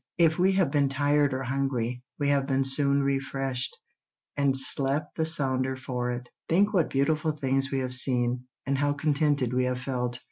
If we have been tired or hungry, we have been soon refreshed, and slept the sounder for it. Think what beautiful things we have seen, and how contented we have felt.